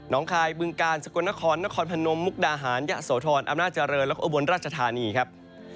นองคายบึงการสควรนครนครพนมมุกดาหารยะสโทรอำนาจริงจริงและเหมาะบนราชธานีครับ